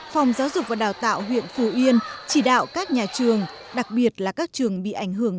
phòng giáo dục và đào tạo huyện phù yên chỉ đạo các nhà trường đặc biệt là các trường bị ảnh hưởng